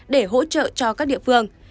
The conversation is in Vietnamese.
để hỗ trợ cho các địa phương